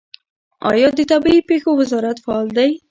آیا د طبیعي پیښو وزارت فعال دی؟